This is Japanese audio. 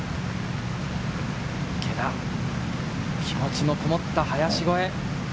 池田、気持ちのこもった林越え。